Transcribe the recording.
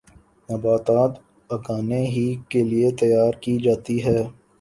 نباتات اگانے ہی کیلئے تیار کی جاتی ہیں